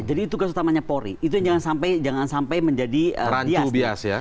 tugas utamanya polri itu yang jangan sampai menjadi bias